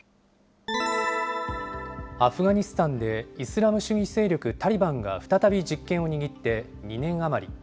アフガニスタンでイスラム主義勢力タリバンが再び実権を握って２年余り。